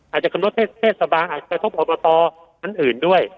อาจจะคำนวจเทศเทศสบายอาจจะกระทบอบมาตรอันอื่นด้วย